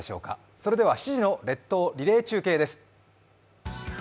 それでは７時の列島リレー中継です。